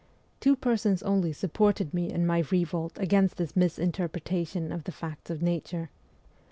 Two persons only sup ported me in my revolt against this misinterpretation of the facts of nature.